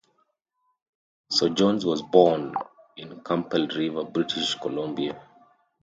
Coe-Jones was born in Campbell River, British Columbia.